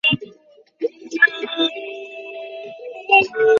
এই, মার।